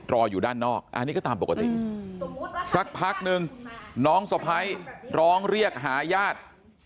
อยู่ด้านนอกอันนี้ก็ตามปกติสักพักนึงน้องสะพ้ายร้องเรียกหาญาติ